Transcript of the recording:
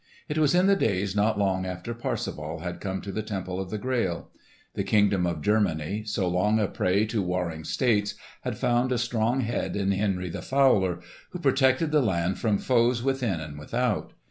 It was in the days not long after Parsifal had come to the Temple of the Grail. The kingdom of Germany, so long a prey to warring states, had found a strong head in Henry the Fowler who protected the land from foes within and without.